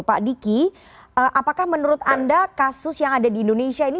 pak diki apakah menurut anda kasus yang ada di indonesia ini